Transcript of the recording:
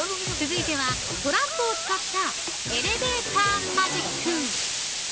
続いては、トランプを使ったエレベーターマジック。